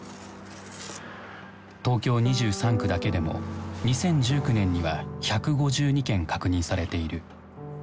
東京２３区だけでも２０１９年には１５２件確認されている。